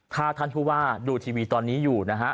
ถ้าท่านผู้ว่าดูทีวีตอนนี้อยู่นะฮะ